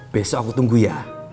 besok aku tunggu ya